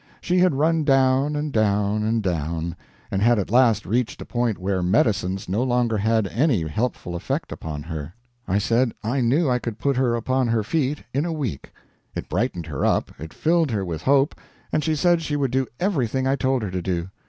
She had run down and down and down, and had at last reached a point where medicines no longer had any helpful effect upon her. I said I knew I could put her upon her feet in a week. It brightened her up, it filled her with hope, and she said she would do everything I told her to do.